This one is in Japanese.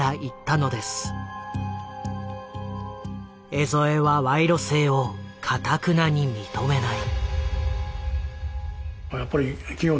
江副は賄賂性をかたくなに認めない。